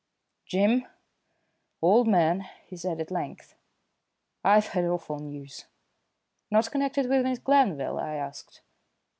"Jim, old man," he said at length, "I've had awful news." "Not connected with Miss Glanville?" I asked.